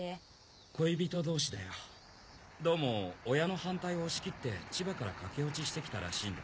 恋人同士だよどうも親の反対を押し切って千葉から駆け落ちして来たらしいんだ。